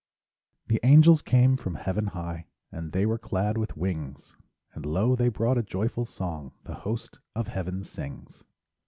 The angels came from heaven high, And they were clad with wings; And lo, they brought a joyful song The host of heaven sings.